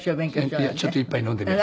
いやちょっと１杯飲んで寝よう。